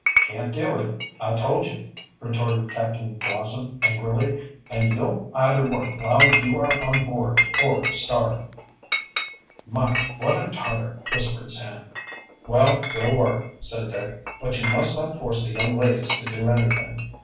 "Can't do it, I told you," retorted Captain Blossom angrily. "And you'll either work while you are on board or starve." "My, what a Tarter!" whispered Sam. "Well, we'll work," said Dick. "But you must not force the young ladies to do anything."